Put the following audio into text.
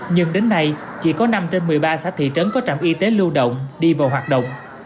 nhưng đến nay chỉ có năm trên một mươi ba xã thị trấn có trạm y tế lưu động đi vào hoạt động